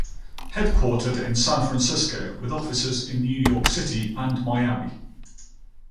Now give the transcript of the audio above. Headquartered in San Francisco, with offices in New York City and Miami.